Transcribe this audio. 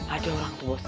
ada orang tuh bos